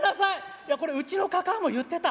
いやこれうちのかかあも言ってた。